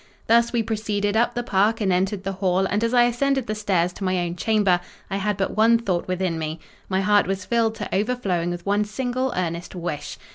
Thus we proceeded up the park, and entered the hall; and as I ascended the stairs to my own chamber, I had but one thought within me: my heart was filled to overflowing with one single earnest wish.